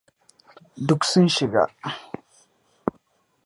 Duk sun shiga!